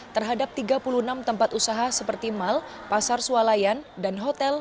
terhadap tiga puluh enam tempat usaha seperti mal pasar sualayan dan hotel